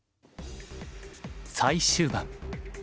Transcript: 最終盤。